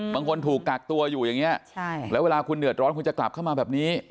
บางคนถูกตากตัวอยู่อย่างเงี้ยแล้วเวลาคุณเหนือร์รอดก็จะกลับเข้ามาแบบนี้